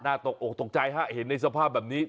ตกออกตกใจฮะเห็นในสภาพแบบนี้